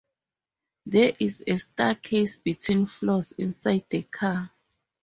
There is a staircase between floors inside the car.